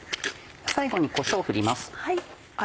最後にこしょうを振ります。